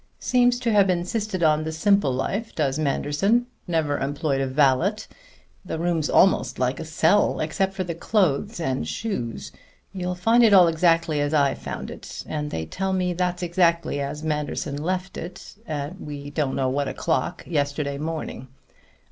Seems to have insisted on the simple life, does Manderson. Never employed a valet. The room's almost like a cell, except for the clothes and shoes. You'll find it all exactly as I found it; and they tell me that's exactly as Manderson left it at we don't know what o'clock yesterday morning.